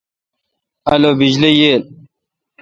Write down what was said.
الو بجلی ییل۔؟